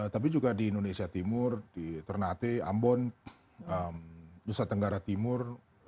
tapi juga di indonesia timur di ternate ambon nusa tenggara timur